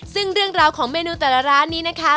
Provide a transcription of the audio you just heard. ซึ่งเรื่องราวของเมนูแต่ละร้านนี้นะคะ